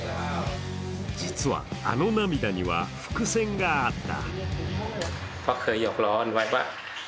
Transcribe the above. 実は、あの涙には伏線があった。